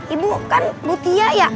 ibu kan butia ya